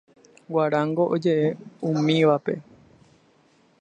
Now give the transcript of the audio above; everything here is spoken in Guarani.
Guarango ojeʼe umívape.